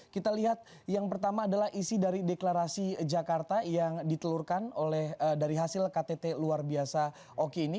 kita lihat yang pertama adalah isi dari deklarasi jakarta yang ditelurkan oleh dari hasil ktt luar biasa oki ini